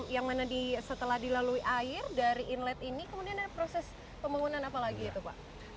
yang mana setelah dilalui air dari inlet ini kemudian ada proses pembangunan apa lagi itu pak